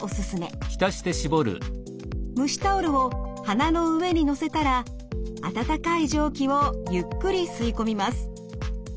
蒸しタオルを鼻の上に載せたら温かい蒸気をゆっくり吸い込みます。